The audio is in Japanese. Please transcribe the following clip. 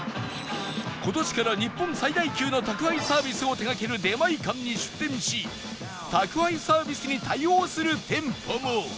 今年から日本最大級の宅配サービスを手掛ける出前館に出店し宅配サービスに対応する店舗も！